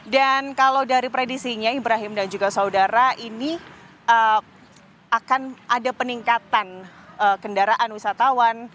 dan kalau dari predisinya ibrahim dan juga saudara ini akan ada peningkatan kendaraan wisatawan